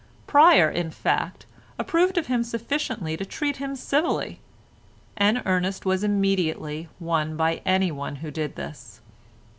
Pryer, in fact, approved of him sufficiently to treat him civilly, and Ernest was immediately won by anyone who did this.